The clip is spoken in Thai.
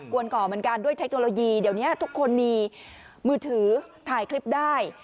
วนก่อเหมือนกันด้วยเทคโนโลยีเดี๋ยวนี้ทุกคนมีมือถือถ่ายคลิปได้